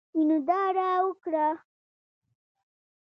وینو داره وکړه.